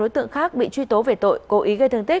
tôi vẫn ở đây